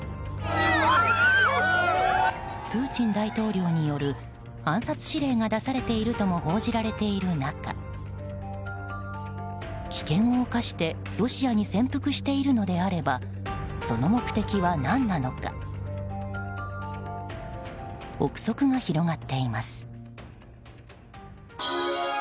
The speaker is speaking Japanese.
プーチン大統領による暗殺指令が出されているとも報じられている中危険を冒してロシアに潜伏しているのであればその目的は何なのか憶測が広がっています。